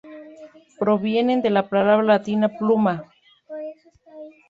Proviene de la palabra latina pluma.